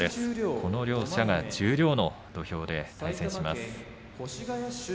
この両者が十両の土俵で対戦します。